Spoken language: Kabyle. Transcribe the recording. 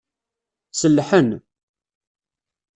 Sellḥen.